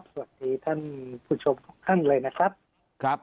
คุณผู้ชมทั้งเลยนะครับ